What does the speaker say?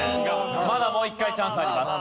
まだもう一回チャンスあります。